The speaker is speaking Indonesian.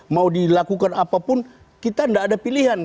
mau dilakukan apapun kita tidak ada pilihan